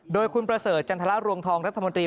โดยคุณประเสริฐจันทรรวงทองรัฐมนตรี